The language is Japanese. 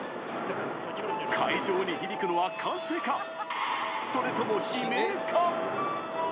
会場に響くのは歓声か、それとも悲鳴か。